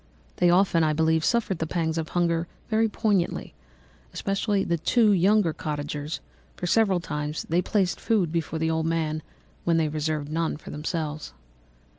They often, I believe, suffered the pangs of hunger very poignantly, especially the two younger cottagers, for several times they placed food before the old man when they reserved none for themselves.